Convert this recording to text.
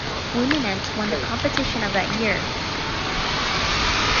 Fluminense won the competition of that year.